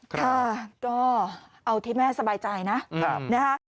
ค่ะก็เอาที่แม่สบายใจนะนะคะ